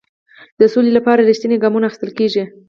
د سولې لپاره رښتیني ګامونه اخیستل کیږي.